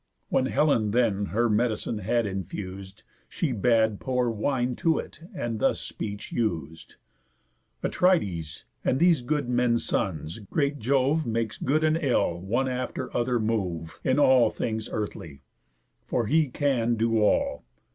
When Helen then her medicine had infus'd, She bad pour wine to it, and this speech us'd: "Atrides, and these good men's sons, great Jove Makes good and ill one after other move, In all things earthly; for he can do all.